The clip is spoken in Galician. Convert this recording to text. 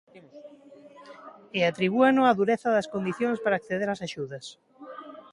E atribúeno á dureza das condicións para acceder ás axudas.